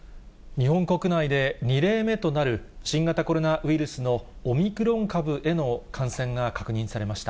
日本国内で２例目となる、新型コロナウイルスのオミクロン株への感染が確認されました。